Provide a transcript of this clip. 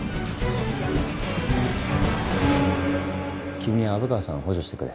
君は虻川さんを補助してくれ。